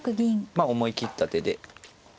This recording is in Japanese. まあ思い切った手で。